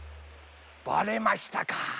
ばれましたか。